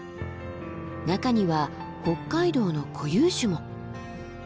中には北海道の固有種も。